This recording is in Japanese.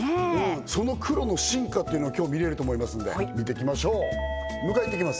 その黒の進化ってのを今日見れると思いますんで見てきましょう迎えいってきます